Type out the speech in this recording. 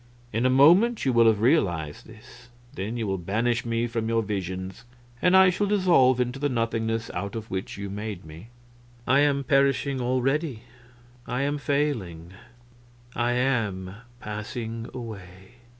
In a moment you will have realized this, then you will banish me from your visions and I shall dissolve into the nothingness out of which you made me.... "I am perishing already I am failing I am passing away.